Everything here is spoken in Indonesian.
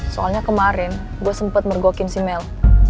soalnya kemarin gue sempet mergokin si mel